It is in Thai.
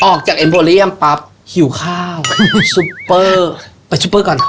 เอ็มโบเรียมปั๊บหิวข้าวซุปเปอร์ไปซุปเปอร์ก่อน